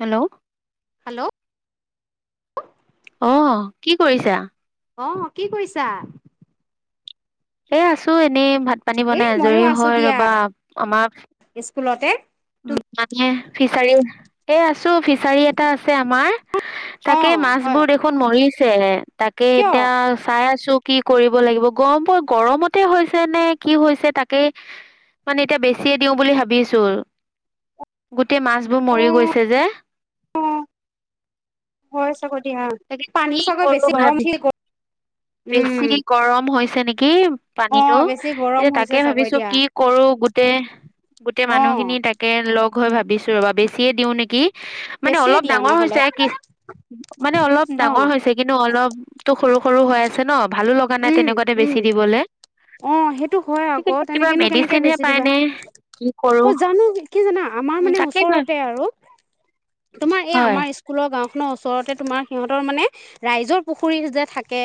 Hello hello আঁহ কি কৰিছা আঁহ কি কৰিছা? এ আছো এনেই ভাত ভাত পানী এই বনাই মইয়ো জৰি আছো হৈ দিয়া ৰবা আমাৰ স্কুলতে উম মানে ফিচাৰী এ আছো ফিচাৰী এটা আছে আমাৰ অ তাকে মাছ হয় বোৰ দেখোন মৰি ছে তাকে কিয়? এতিয়া চাই আছো কি কৰিব লাগিব গৰম গৰমতে হৈছে নে কি হৈছে তাকেই মানে এতিয়া বেছিয়ে দিওঁ বুলি ভাবিছো গোট গোটেই মাছবোৰ অ মৰি গৈছে যে হয় চাগৈ দিয়া পানী কি চাগৈ বেছি কৰো গৰম ভাবি উঠি গ'ল। উম বেছি গৰম হৈছে নেকি কি অ পানীতো বেছি গৰম এতিয়া তাকে হৈছে চাগৈ ভাবিছো দিয়া কি কৰো গোটেই গোটেই অ মানুহ খিনি তাকে লগ হৈ ভাবিছো ৰবা বেছিয়ে দিওঁ নেকি মানে বেছিয়ে অলপ দিয়া ডাঙৰ নহ'লে হৈছে কি মানে অলপ অ ডাঙৰ হৈছে কিন্তু অলপ তো সৰু সৰু হৈ আছে ন ভালো লগা নাই উম তেনেকুৱাতে উম বেছি দিবলৈ অ সেইটো হয় িক আকৌ এ কিবা তেনেকেনো কেনেকে মেডিচিনহে বেছি দিবা পাইনে কি কৰো অ জানো কি জানা আমাৰ উম মানে তাকে কয় ওচৰতে আৰু তোমাৰ এই হয় আমাৰ স্কুলত গাওখনৰ ওচৰতে তোমাৰ সিহঁতৰ মানে ৰাইজৰ পুখুৰী যে থাকে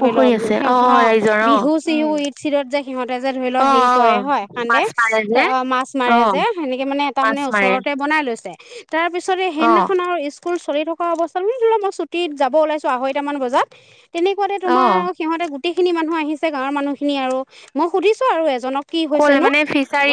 ধৰি লওক আছে সি অ ৰাইজৰ অ বিহু উম চিহু ইঈদ চিদত যে সিহঁতে যে ধৰি লওক অ হেৰি অ কৰে হয় কান্দে মাছ মাৰে যে মাছ অ মাৰে যে সেনেকে মানে এটা মাছ মানে মাৰে ওচৰতে বনাই লৈছে তাৰ পিছতে অ সেইদিনাখন আৰু স্কুল চলি থকা অৱস্থাত ধ মই ছুটত যাব ওলাইছো আঢৈট মান বজাত তেনে অ তোমাৰ সিহতে গোটেইখিনি মানুহ আহিছে গাঁৱৰ মানুহখিনি আৰু মই সুধিছো আৰু এজনক কি হৈছে কল নো মানে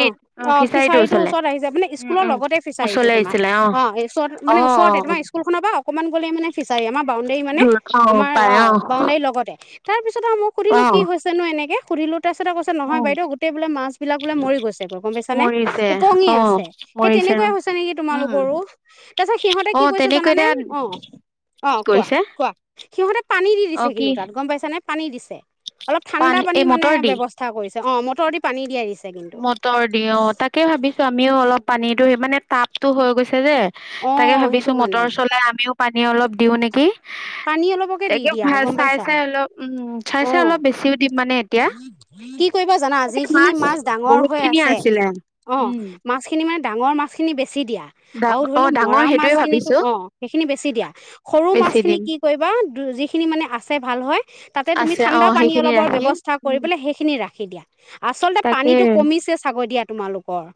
অ অ ফিচাৰীটোৰ ফিচাৰি ৰ ওচৰলে ওচৰত আহি য মানে উম স্কুলৰ উম লগতে ফিচাৰী টো ওচৰলে তোমাৰ আহিছিলে অ চৰত অ মানে ওচৰতে অ তোমাৰ স্কুল খনৰ পৰা অকনমান মানে ফিচাৰ আমাক ডী মানে দূৰ অ আমাৰ অ পায় বাউডৰ লগত তাৰ পিছত। তাৰ পিছত আৰু মোক অ সুধিলো কি হৈছে নো এনেকে। পুৰিলুত। তাৰপাছতে কৈছে অ নহয় বাইদেউ গোটেই বোলে মাছ বিলাক বোলে মৰি গৈছে গম পাইছা নে মৰিছে উপঙি অ আছে সেই মৰিছে তেনেকুৱা হৈছে নেকি উম তোমালোকৰো তাৰ পিছত সিহঁতে অ কি কৈছে তেনেকৈ জানানে এতিয়া অ কি অ কোৱা কৰিছে কোৱা সিহঁতে পানী দি অ দিছে কি কিন্তু। পাইছা নে পানী দিছে। অলপ ঠাণ্ডা পানী এই মানে মটৰ দি ব্যৱস্থা কৰিছে। অ মটৰ দি পানী দি আহিছে। মটৰ দি অ তাকে ভাবিছো আমিও অলপ। পানীতো সি মানে পাপটো হৈ গৈছে যে। অ তাকে ভাবিছো সেইটো কাৰণে মটৰ চলাই আমিও। পানী অলপ দিওঁ নেকি পানী অলপকে দি তাকে দিয়া ভাল গম চাই পাইছা চাই অলপ উম চাই অ চাই অলপ বেছিও দিম মানে এতিয়া কি কৰিবা জানা তাকে যিখিনি মাছ। ডাঙৰ বহুত হৈ খিনিয়ে আছে আছিলে অ উম মাছখিনি ইমান। ডাঙৰ মাছ খিনি বেছি। বেছি দিয়া ডাঙ আৰু ধৰি অ লও ডাঙৰ মৰা সেইটোৱে মাছখিনিকো ভাবিছো অ সেইখিনি বেছি দিয়া সৰু বেছি মাছখিনি। দিম কি কৰিবা যিখিনি মানে আছে ভাল হয়। তাতে তুমি আছে অ ঠাণ্ডা পানী সেইখিনি অলপৰ ৰাখি ব্যৱস্থা কৰি উম বলে সেইখিনি ৰাখ। সেই দিয়া। আচলতে তাকে পানীতটো কমিছে ছাব দিয়াত।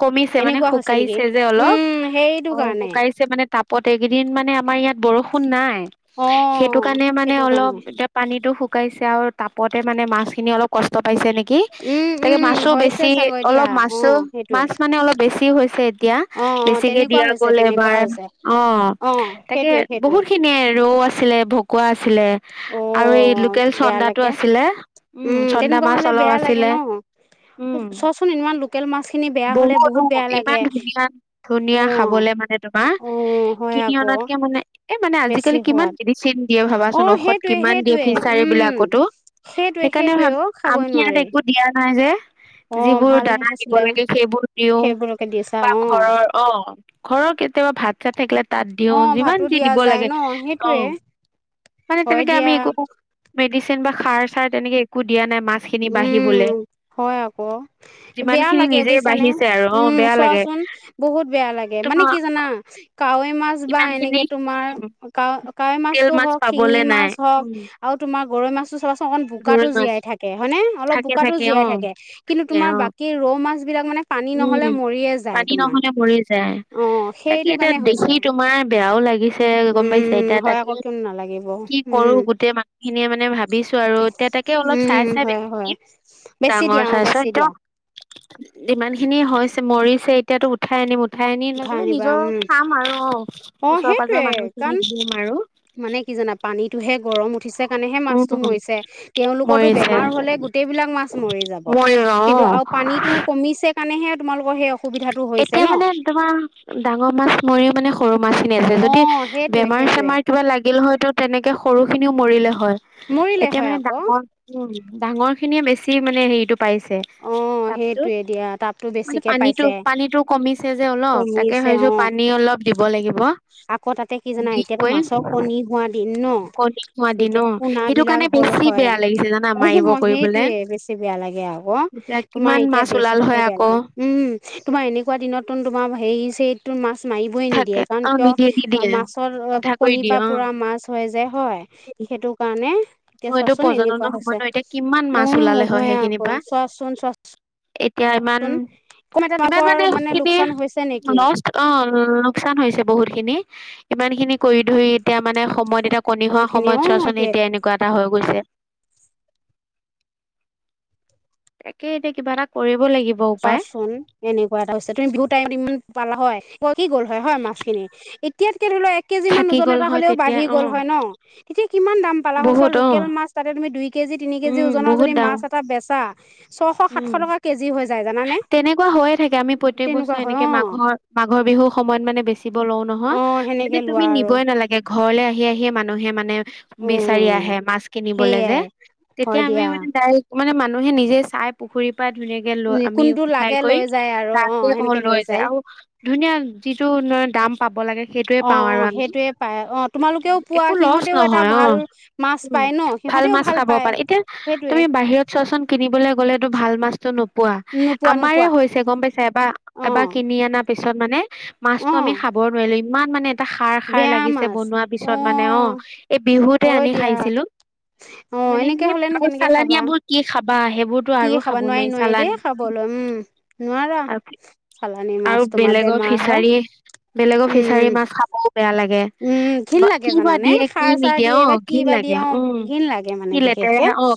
কমিছে মানে, শুকাইছে যে অলপ, উম সেইটো অ কাৰণে শুকাইছে মানে। তাপতে। এইকেইদিন মানে আমাৰ ইয়াত বৰষুণ নাই। অ সেইটো কাৰণে মানে সেইটো অলপ কাৰণে এতিয়া পানীটো। শুকাইছে আৰু তাপতে মানে মাছখিনি অলপ কষ্ট পাইছে নেকি। কি উম তাকে উম মাছো হৈছে বেছি চাগৈ দিয়া অলপ অ মাছো। সেইটোৱে মাছ মানে অলপ বে বেছি হৈছে। এতিয়া, অ অ বেছিকে তেনেকুৱা দিয়া হৈছে গ'ল তেনেকুৱা এবাৰ, হৈছে অ অ তাকে সেইটোৱে সেইটোৱে বহুত খিনিয়ে ৰৌ আছিলে ভকুৱা আছিলে। অ আৰু এই লোকেল বেয়া চন্দাটো লাগে আছিলে। উম চন্দা তেনেকুৱা মাছ হলে অলপ বেয়া লাগে আছিলে ন উম। চোৱাচোন ইমান লোকেল মাছ খিনি বেয়া হলে বহুত অ বেয়া ইমান লাগে ধুনীয়া অ ধুনীয়া খাবলে মানে তোমাৰ। অ হয় কিনি আকৌ অনাতকে মানে, এ মানে বেছি আজিকালি কিমান সোৱাদ মেডিচিন দিয়ে অ ভাবাচোন। ঔষধ সেইটোৱে কিমান দিয়ে সেইটোৱে ফিচাৰী উম বিলাকতো সেইটোৱে সেইকাৰণে সেইটোৱে ভাব অ আমি খাবই ইয়াত নোৱাৰি একো দিয়া। [unintelligible] যে অ যিবোৰ ভাল দানা দিব আছিলে লে সেইবোৰ দিওঁ। সেইবোৰকে দিছা বা অ ঘৰৰ অ ঘৰৰ কেতিয়াবা ভাত চাত [unintelligible] তাত অ দিওঁ যিমান ভাতো যি দিয়া দিব যায় লাগে ন অ। সেইটোৱে মানে হয় তেনেকে আমি দিয়া একো। মেডিচিন বা খাৰ চাৰ তেনেকে একো দিয়া নাই মাছ খিনি বাঢ়িবলে উম হয় আক যিমান বেয়া খিনি লাগে। নিজে বুইছানে বাঢ়িছে আৰু অ উম বেয়া লাগে চোৱাচোন বহুত বেয়া লাগে। মানে তোমাৰ কি জানা কাৱৈ মাছ বা ইমান খিনি এনেকে তোমাৰ কাৱৈ কাৱৈ লোকেল মাছটো মাছ হওক শিঙি পাবলে নাই মাছ হওক উম আৰু তোমাৰ গৰৈ মাছটো চোৱাচোন অকন বোকাতো গৰৈ মাছ জীয়াই থাকে। হয়নে? অলপ থাকে বোকাতো অ জীয়াই থাকে কিন্তু থাকে তোমাৰ অ বাকী ৰৌ মাছ। বিলাক মানে পানী উম নহলে মৰিয়ে যায় পানী তোমাৰ নহলে মৰি যায়। অ তাকে সেইটো এতিয়া কাৰণে দেখি হৈছে তোমাৰ বেয়াও লাগিছে গম পাইছে, উম এতিয়া হয় তাকে আকৌ কিয় নালাগিব কি কৰো উম গোটেই মানুহখিনিয়ে মানে ভাবিছো আৰু এতিয়া তাকে অলপ চাই উম চাই। হয় বেছি হয় বেছি ডাঙৰ দিয়া অ চাইছ বেছি দিয়া। একদম ইমান খিনি হৈছে মোৰ। ছে এতিয়াতো উঠাই আনিম উ উঠাই আনি লাগিলে আনিবা নিজৰ উম খাম আৰু অ অ ওচৰ সেইটোৱে পাজৰ মানুহ কাৰণ খিনিক দিম আৰু। মানে কি জানা পানীটোহে গৰম উঠিছে কাৰণেহে উম মাছটো মৰিছে তেওঁলোকৰতো মৰিছে বেমাৰ হলে গোটেইবিলাক মাছ মৰি যাব মৰিব কিন্তু অ আৰু পানীতো কমিছে সেইকাৰণেহে তোমালোকৰ সেই অসুবিধাটো হৈছে এতিয়া ন মানে তোমাৰ ডাঙৰ মাছ মৰিও মানে সৰু মাছখিনি আছে অ যদি সেইটোৱে বেমাৰ সেইটোৱে চেমাৰ কিবা লাগিল হয়তো তেনেকে সৰু খিনিও মৰিলে হয় মৰিলে এতিয়া হয় মানে আকৌ ডাঙৰ উ ডাঙৰ খিনিয়ে বেছি মানে হেৰিটো পাইছে অ তাপটোত সেইটোৱে দিয়া তাপতো মানে বেছিকে পানীতো পাইছে পানীটো কমিছে যে অলপ তাকে কমিছে ভাবিছো অ পানী অলপ দিব লাগিব আকৌ তাতে কি জানা দি এতিয়াতো কৈ মাছৰ কণী হোৱা দিন ন কণী হোৱা দিন অ এতিয়া সেইটো পোনাবিলাক কাৰণে হ'ল বেছি হয় বেয়া লাগিছে জানা মাৰিব কৰিবলে সেইটোৱে বেছি বেয়া লাগে আকৌ এতিয়া তোমাৰ কিমান এতিয়া মাছ বেছি ওলাল দিবও হয় বেয়া আকৌ লাগে উম তোমাৰ এনেকোৱা দিনত তোন তোমাৰ হেৰি ছেৰি তো মাছ মাৰিবই থাকে নিদিয়ে কাৰণ অ কিয় নিদিয়ে নিদিয়ে মাছৰ কথা কৈ কণী দিয়ে পা অ পোৰা মাছ হয় যে হয় সেইটো কাৰণে এতিয়া ম এইটো চোৱাচোন এনেকুৱা পৰ্যটনৰ হৈছে সময় ন এতিয়া কিমান মাছ ওলালে হয় সেইখিনিৰ পৰা চচ শন চচ এতিয়া ইমান ইমান মানে খিনি লোকচান হৈছে নেকি লষ্ট অ লোকচান হৈছে বহুতখিনি ইমান খিনি কৰি-ধৰি, এতিয়া মানে সময় দি এতিয়া কণী হোৱা বহুত খিনি সময়ত অ চোৱাচোন, সেইটোয়ে এতিয়া এনেক হৈ গৈছে। তাকে এতিয়া কিবা এটা কৰি চোৱাচোন, এনেকুৱা এটা হৈছে তুমি বিহুৰ টাইমত ইমান পালা হয়। কৈ কি গ'ল হয়, হয় মাছখিনি এত এনেকে ধৰি লোৱা এক কেজিমান থাকি ওজন গ'ল এটা হয় হ'লেও তেতিয়া বাঢ়ি অ গ'ল হয় ন। তেতিয়া কিমান দাম পালা হয়, চোৱা বহুত অ লোকেল মাছ তাতে তুমি দুই কেজি, তিনি কেজি উম ওজনৰ বহুত যদি দাম মাছ এটা বেছা ছশ-সাতশ টকা কেজি হৈছে তেনেকোৱা হৈয়ে থাকে। আমি প্ৰত্যেক বছৰে তেনেকুৱা হয় এনেকে অ মাঘৰ-মাঘৰ বিহুৰ সময়ত মানে বেছি ব লওঁ নহয়, অ মানে সেনেকে লোৱা তুমি আৰু নিবই নালাগে ঘৰলে আহি-আহিয়ে মানুহে মানে বিচাৰি উম আহে মাছ কিনিবলৈ যে সেইয়াই হয় তেতিয়া আমি দিয়া মানে ডাইৰেক্ট মানে মানুহে নিজে চাই পুখুৰী পাই ধুনীয়াকে লৈ আমি কোনটো উঠাই লাগে কৰি লৈ যায় আৰু তাতে অ সেনেকে লৈ যায় আৰু ধুনীয়া যি টু নয় দাম পাব লাগে। সেইটোৱে অ', পাওঁ আৰু অ' আমি সেইটোয়ে পায়। অত একো লচ নহয় অ', মাছ উম, পায় ন ভাল সিহঁতেও মাছ খাব পায় পাৰে। এতিয়া সেইটোৱে তুমি বাহিৰত চোৱাচোন কিনিবলৈ গ পালেটো ভাল মাছটো নপ পোৱা নোপোৱা আমাৰে নোপোৱা হৈছে গম পাইছা। অ এবাৰ-এবাৰ কিনি আনা পিছত মানে অ মাছতো আমি খাব নোৱাৰিল‌ও, ইম ইমান মানে এটা ক্ষাৰ-ক্ষাৰ বেয়া লাগিছে। মাছ বনোৱা অ পিছত মানে অ', এ বিহুতে হয় আনি দিয়া খাইছিলোঁ অ মানে এনেকে সেই হলেনো [unintelligible] কেনেকে খাবা চালানীয়াবোৰ কি খাব বা সেইবোৰতো কি আৰু খাবা খাব নোৱাৰি। চালান দেই খাবলৈ উম নোৱাৰা আৰু কি চালানী মাছ আৰু তোমাৰ বেলেগৰ বেমাৰ হয় ফিছাৰি-বেলেগৰ উম ফিছাৰিৰ উম মাছ খাবও বেয়া লাগে। উম ঘিণ বা, লাগে কি বা জানানে দিয়ে কি সাৰ চাৰ নিদিয়ে। দিয়ে বা অ', কি ঘীণ বা দিয়ে লাগে অ উম। ঘিণ লাগে মানে কি বিশেষকে লেতেৰা অ',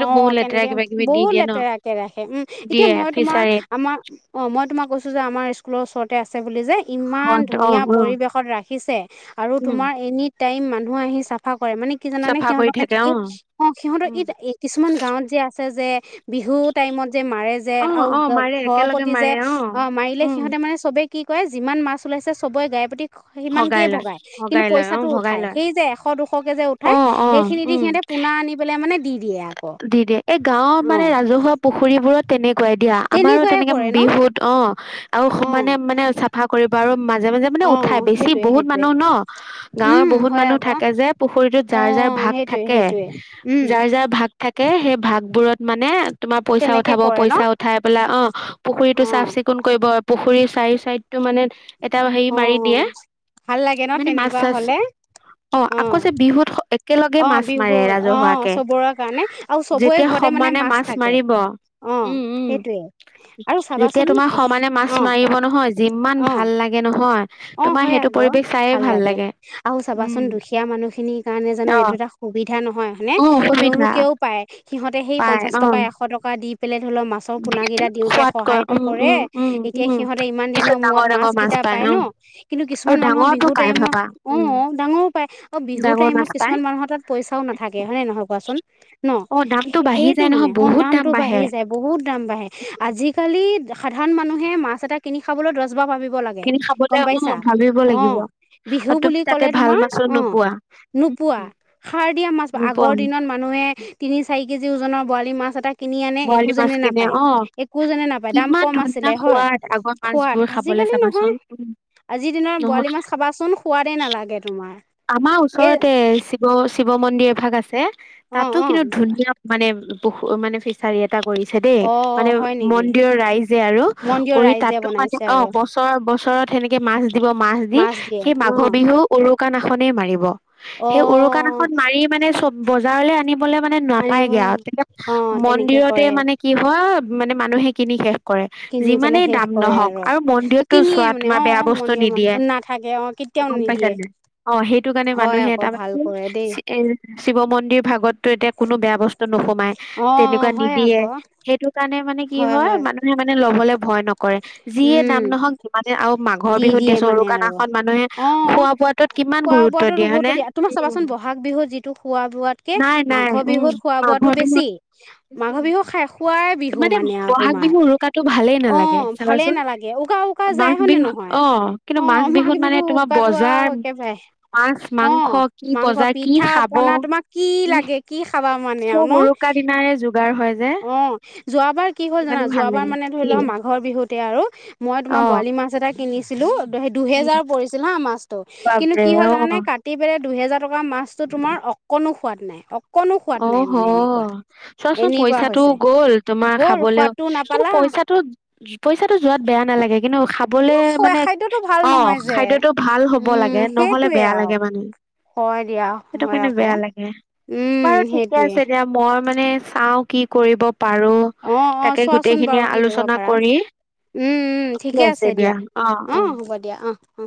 অ বহুত লেতেৰা কেনেকে কিবাকিবি বহুত লেতেৰাকে ৰাখে, উম। এতিয়া মই ফিচাৰীত তোমাৰ-আমাৰ অ', মই তোমাক কৈছো যে আমাৰ স্কুলৰ ওচৰত আছে বুলি যে, ইমান হদ অ ধুনীয়া অ পৰিৱেশত ৰাখিছে আৰু উম তোমাৰ এনি টাইম মানুহ আহি চাফা কৰে মানে কি জানে চাফা কৰি সিহঁতৰ মানে থাকে কি অ অ সিহঁতৰ উম ই কিছুমান গাঁৱত যে আ যে বিহু টাইমত যে মাৰে যে অ আৰু অ মাৰে ঘৰৰ একেলগে প্ৰতি যে মাৰে অ মাৰিলে উম সিহঁতে মানে চবে কি কয় যিমান মাছ ওলাইছে চবে গাই পতি সিমানকেই লয় ভগাই কিন্তু লয় অ পইচাটো ভগাই উঠাই লয় সেই যে এশ দুশকে যে অ উঠাই অ সেইখিনি দি উম সিহতে পোনা আনি পেলাই মানে দি দিয়ে আকৌ। গাঁওৰ অ মানে ৰাজহুৱা পুখুৰীবোৰত তেনেকুৱাই দিয়া আমাৰো তেনেকুৱাই তেনেকে কৰে ন বিহুত অ আৰু অ সমানে মানে চাফা কৰিব বাৰু মাজে মাজে মানে অ উঠাই বেছি সেইটোয়ে বহুত সেইটোয়ে মানুহ ন গাঁৱৰ উম বহুত হয় মানুহ আকৌ থাকে যে পুখুৰীতত অ যাৰ যাৰ ভাগ সেইটোয়ে থাকে সেইটোয়ে উম যাৰ যাৰ ভাগ কে সেই ভাগবোৰ মানে তোমাৰ পইচা তেনেকে উঠাব কৰে ন পইচা উঠাই পেলাই অ অ পুখুৰীটোাফ চিকুণ কৰিব পুখুৰী চাৰি চাইড তটো মানে এটা হেৰি অ মাৰি দিয়ে ভাল লাগে ন মানে মাছ তেনেকুৱা চাছ হলে অ আকৌ যে বিহুত একেলগে অ মাছ বিহু মাৰে অ ৰাজহুৱাকে। চবৰে কাৰণে আৰু চবৰে যেতিয়া ঘৰতে মানে সমানে মাছ থাকে মাৰিব অ উম-উম সেইটোয়ে আৰু যেতিয়া চাবাচোন তোমাৰ এ সমানে মাছ অ কোৱা মাৰিব নহয় যিমান অ ভাল লাগে নহয়। অ', তোমাৰ হয় সেইটো আকৌ পৰিৱেশ চায়ে ভাল লাগে অ', উম চাবাচোন দুখীয়া মানুহ খিনিৰ কাৰণে জানো অ এইটো এটা সুবিধা নহয় মানে অ তেওঁ। অসুবিধা সৰুকেও পায়। সিহঁতে সেই পাই পঞ্চাশ অ টকা, এশ টকা দি পেলাই ধৰি লওক মাছৰ পোনাকেইটা দিওঁতে সোৱাদ ক সহায়তটো উম কৰে উম উম এতিয়া উম সিহঁতে ইমান পিছত দিনৰ মূৰত ডাঙৰ মাছ ডাঙৰ কেইটা পায় ন উম কিন্তু আৰু কিছুমান মানুহৰ ডাঙৰটো বিহুৰ পাই টাইমত ভাবা উম অ', ডাঙৰো পায় অ বিহু ডাঙৰ টাইমত মাছ পাই কিছুমান মানুহৰ তাত পইচাও নাথাকে হয়নে নহয় কোৱাচোন। ন অ দামটো বাঢ়ি সেইটো যায় মানে নহয় অ', বহুত দাম দামতটো বাঢ়ে বাঢ়ি যায় বহুত দাম বাঢ়ে আজিকালি সাধাৰণ মানুহে মাছ এটা কিনি খাবলৈ দছবাৰ পাবিব কিনি খাবলে গম অ পাইছা ভাবিব লাগিব অ', বিহু আৰু তুমি বুলি তাতে ক'লে ভাল তোমাৰ মাছো অ', নোপোৱা নোপোৱা উম, সাৰ দিয়া মাছ নোপোৱা আগৰ দিনত মানুহে তিনি চাৰি কেজি ওজনৰ বৰালি মাছ এটা কিনি আনে বৰালি মাছ একোজনে কিনে নাপায় অ একো যেনে নাপায় দাম কিমান কম ধুনীয়া আছিলে হয় সোৱাদ আগৰ খোৱাদ মাছবোৰ খাবলে আজিকালি নহয়। চাবাচোন আজিৰ দিনৰ বৰালি নহয় মাছ খাবাচোন সোৱাদেই নালাগে তোমাৰ আমাৰ এই ওচৰতে শিৱ-শিৱ মন্দিৰ এভাগ আছে। অ', তাতো অ', কিন্তু ধুনীয়া মানে বহু মানে ফিছ চাৰিয়েট চিন্তা কৰিছে দেই অ', মানে হয় নেকি মন্দিৰৰ ৰাইজে আৰু মন দিয় কৰি ৰাইজে তাতো মানে বনাইছে অ আৰু বছৰ-বছৰত হেনেকে মাছ দিব মাছ দি দিয়ে সেই মাঘ অ', বিহু উৰু দোকান এখনেই মাৰিব। সেই অ', উৰুকানাখন মাৰি মানে চব বজাৰলৈ আনিম বলে মানে নাপায়গে আনিবলৈ আৰু তেতিয়া অ', তেনেকে মন্দিৰতে কৰে মানে কি হয়। অ, মানে মানুহে কিনি শে কৰে কিনি পেলাই যিমানেই শেষ দাম কৰে নহওক আৰু মন্দিৰতটো কিনিয়ে চোৱা মানে তোমাৰ অ বেয়া বস্তু মন্দিৰৰ ম নিদিয়ে নাথাকে অ কেতিয়াও গম নিদিয়ে পাইছোনে অ' সেইটো কাৰণে হয় মানুহে আকৌ এটা ভাল কৰে দেই এ শিৱ মন্দিৰ ভাগততো এতিয়া কোনো বেয়া বস্তু নোসোমাই। অ তেনেকুৱা হয় নিদিয়ে আকৌ সেইটো কাৰণে মানে কি হয় মানুহে মানে ল'বলে। ভয় নক কৰে যিয়ে দাম উম নহওক যিমানে আৰু মাঘৰ দি বিহুত দিয়ে দিয়া মানে আৰু উৰুকানাখন মানুহে অ খোৱা বোৱাটোত কিমান খোৱা গুৰুত্ব বোৱাতো দিয়ে হয়নে দিয়া তোমাৰ উ চাবাচোন বহাগ বিহুত যিটো খোৱা বোৱাতকে নাই-নাই উ মাঘৰ বিহুত। মাঘ বিহু শেষ মানে ব'হাগ বিহু উৰুকাটো ভালেই অ নালাগে। ভালেই চাবাচোন নালাগে উকা উকা যায় মাঘ হয়নে বিহু নহয় অ' কিন্তু অ' মাঘ বিহুত মানে বিহু তোমাৰ উৰুকাটো আৰু বজাৰ একেবাৰে মাছ, অ মাংস, কি মাংস, বজাৰ, কি খাব পিঠা-পনা তোমাক কি উম, লাগে কি খাবা মানে আৰু চব ন উৰুকা দিনাৰে যোগাৰ হয় যে অ যোৱাবাৰ কি সেইটো হ'ল জানা কাৰণে ভাল যোৱাবাৰ লাগে। মানে ধৰি কি ল মাঘৰ বিহুত তেতিয়া আৰু মই তোমাৰ অ', বৰালি মাছ এটা ভু ভু কিনিছিলো উম, দুহেজাৰ পৰিছিল হা মাছ ত ইহ কিন্তু বাপৰে কি হল জানানে অ', কাটি পেলাই দুইহেজাৰ টকা মাছটো তোমাৰ অকনো সু সোৱাদ নাই অক অহ অ' চোৱাচোন এনেকুৱা পইচাটোও হৈছে গ'ল তোমাৰ গ'ল খাবলৈও সোৱাদটো কিন্তু নাপালা পইচাটো পইচা টকা যোৱাত বেয়া নালাগে কিন্তু খাবলে কিন্তু মানে খাদ্যটো ভাল অ নহয় যে খাদ্যটো ভাল হ'ব উম লাগে নহ'লে সেইটোৱে বেয়া আৰু লাগে মানে হয় দিয়া সেইটো হয় কাৰণে আকৌ বেয়া লাগে। উম বাৰু ঠিকে সেইটোৱে আছে দিয়া মই মানে চাও। কি কৰিব? পাৰো অ অ তাকে চোৱাচোন গোটেইখিনি বাৰু কি কৰিব আলোচনা পাৰা কৰি উম উম ঠিকে গৈ আছে দিয়া অ অ। হ'ব দিয়া অ অ।